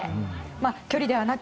距離ではなく。